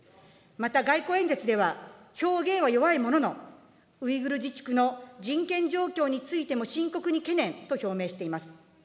また外交演説では、表現は弱いものの、ウイグル自治区の人権状況についても深刻に懸念と表明しています。